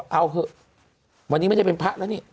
เอาเถอะวันนี้ไม่ได้เป็นพระแล้วนี่